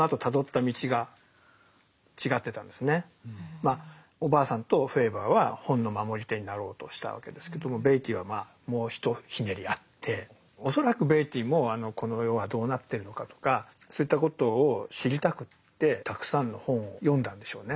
まあおばあさんとフェーバーは本の守り手になろうとしたわけですけどもベイティーはもう一ひねりあって恐らくベイティーもこの世はどうなってるのかとかそういったことを知りたくってたくさんの本を読んだんでしょうね。